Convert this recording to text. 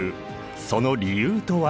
その理由とは？